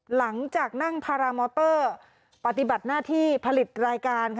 หลังจากนั่งพารามอเตอร์ปฏิบัติหน้าที่ผลิตรายการ